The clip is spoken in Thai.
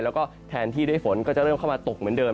แล้วก็แทนที่ได้ฝนก็จะเริ่มเข้ามาตกเหมือนเดิม